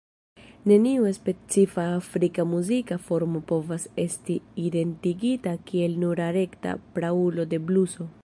Neniu specifa afrika muzika formo povas esti identigita kiel nura rekta praulo de bluso.